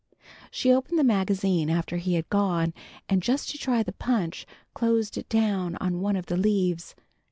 She opened the magazine after he had gone, and just to try the punch closed it down on one of the leaves.